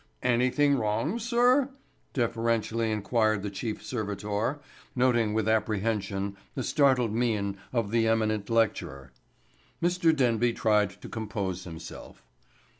"Anything wrong, sir?" deferentially inquired the chief servitor, noting with apprehension the startled mien of the eminent lecturer. Mr. Denby tried to compose himself.